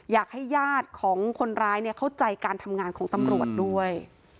อยากให้ญาติของคนร้ายเข้าใจการทำงานของตำรวจด้วย